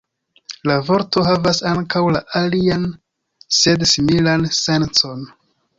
La vorto havas ankaŭ la alian sed similan sencon.